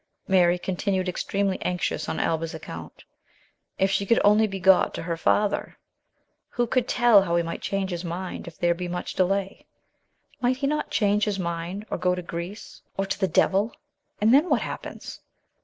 Mary continued extremely anxious on Alba's account. If she could only be got to her father ! Who could tell how he might change his mind if there be much delay ? Might he not " change his mind, or go to Greece, or to the devil; and then what happens?"